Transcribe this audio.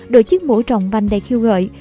đội chiếc mũ trọng vành đầy khiêu gợi